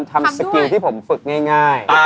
ทำฝีปุ่นที่ผมฝึกที่ง่าย